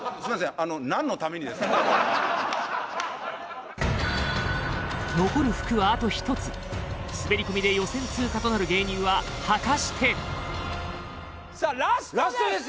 あの残る福はあと１つ滑り込みで予選通過となる芸人は果たしてさあラストです